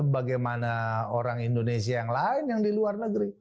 bagaimana orang indonesia yang lain yang di luar negeri